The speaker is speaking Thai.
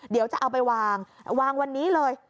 เดี๋ยวจะเอาไปวางวางวันนี้เลย